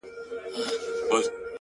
ځوان د پوره سلو سلگيو څه راوروسته،